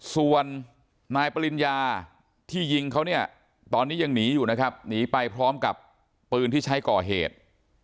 ส่วนนายปริญญาที่ยิงเขาเนี่ยตอนนี้ยังหนีอยู่นะครับหนีไปพร้อมกับปืนที่ใช้ก่อเหตุ